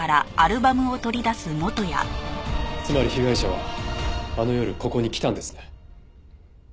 つまり被害者はあの夜ここに来たんですね？